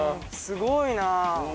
すごいなあ。